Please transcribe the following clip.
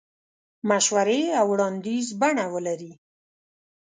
مشورې او وړاندیز بڼه ولري.